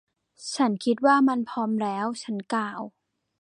ฉันคิดว่ามันพร้อมแล้ว. ฉันกล่าว